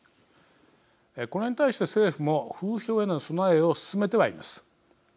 これに対して政府も風評への備えを進めてはいます。